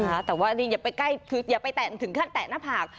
ใช่นะคะแต่ว่าอย่าไปใกล้อย่าไปแตกถึงขั้นแตะหน้าผาก